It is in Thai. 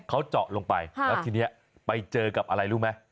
เขาเจาะลงไปแล้วทีนี้ไปเจอกับอะไรรู้ไหม